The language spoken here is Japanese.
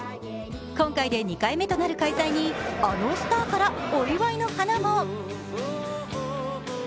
今回で２回目となる開催にあのスターからお祝いの花も。